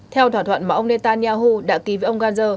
theo thỏa thuận mà ông netanyahu đã ký với ông gantz